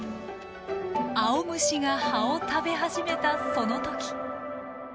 アオムシが葉を食べ始めたその時。